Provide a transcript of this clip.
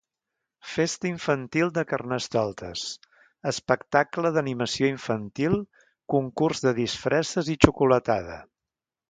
Festa infantil de Carnestoltes: espectacle d'animació infantil, concurs de disfresses i xocolatada.